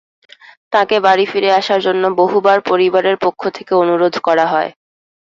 তাঁকে বাড়ি ফিরে আসার জন্য বহুবার পরিবারের পক্ষ থেকে অনুরোধ করা হয়।